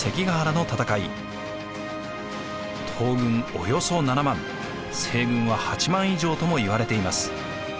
およそ７万西軍は８万以上ともいわれています。